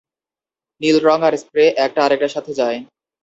নীল রং আর স্প্রে একটা আরেকটার সাথে যায়।